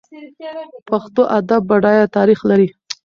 پښتو ادب بډایه تاریخ لري.